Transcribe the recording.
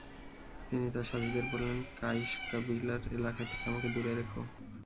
তিনি তার সাথীদের বললেন, কাইশ কবিলার এলাকা থেকে আমাকে দূরে রেখ।